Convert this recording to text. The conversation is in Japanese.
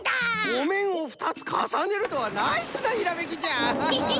おめんをふたつかさねるとはナイスなひらめきじゃ。